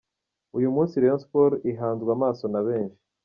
Uyu munsi Rayon Sports ihanzwe amaso na benshi.